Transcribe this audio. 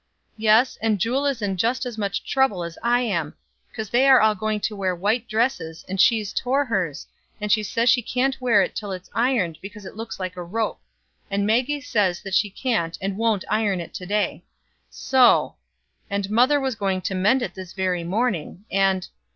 "Yes, and Jule is in just as much trouble as I am, cause they are all going to wear white dresses, and she's tore hers, and she says she can't wear it till it's ironed, cause it looks like a rope, and Maggie says she can't and won't iron it to day, so; and mother was going to mend it this very morning, and